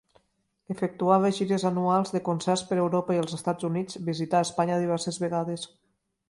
Efectuava gires anuals de concerts per Europa i els Estats Units, visità Espanya diverses vegades.